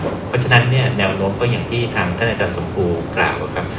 เพราะฉะนั้นเนี่ยแนวโน้มก็อย่างที่ทางท่านอาจารย์สมภูกล่าวครับ